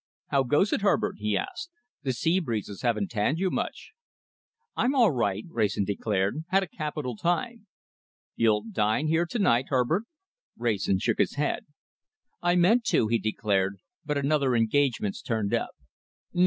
"How goes it, Herbert?" he asked. "The seabreezes haven't tanned you much." "I'm all right," Wrayson declared. "Had a capital time." "You'll dine here to night, Herbert?" Wrayson shook his head. "I meant to," he declared, "but another engagement's turned up. No!